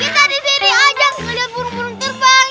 ngeliat burung burung terbang